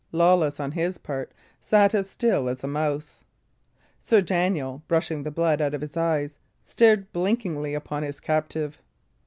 Lawless, on his part, sat as still as a mouse. Sir Daniel, brushing the blood out of his eyes, stared blinkingly upon his captive.